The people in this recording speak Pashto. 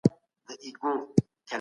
د بهرنیو چارو وزارت بهرنی پور نه اخلي.